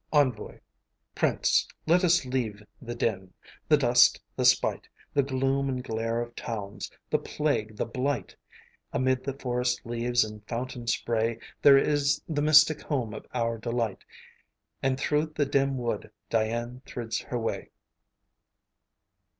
ENVOI Prince, let us leave the din, the dust, the spite, The gloom and glare of towns, the plague, the blight; Amid the forest leaves and fountain spray There is the mystic home of our delight, And through the dim wood Dian thrids her way.